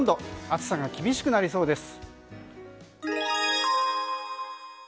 暑さが厳しくなりそうです。